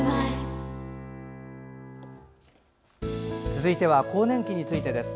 続いては更年期についてです。